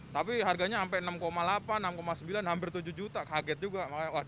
tapi harganya sampai enam delapan enam sembilan hampir tujuh juta kaget juga